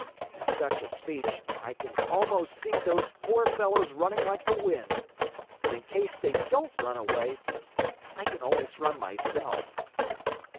At such a speech, I can almost see those poor fellows running like the wind. But in case they don't run away, I can always run myself.